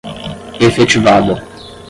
efetivada